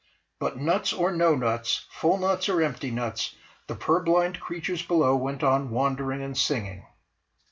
But nuts or no nuts, full nuts or empty nuts, the purblind creatures below went on wandering and singing.